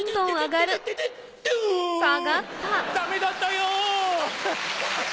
ダメだったよ。